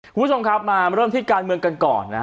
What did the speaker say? คุณผู้ชมครับมาเริ่มที่การเมืองกันก่อนนะฮะ